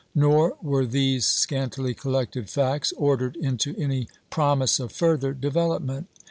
Nor were these scantily collected facts ordered into any promise of further development.